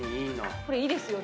これいいですよね。